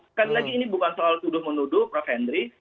sekali lagi ini bukan soal tuduh menuduh prof henry